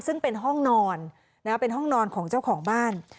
ซึ่งเป็นห้องนอนเป็นห้องนอนของเจ้าของบ้าน